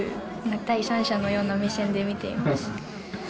第三者のような目線で見ています。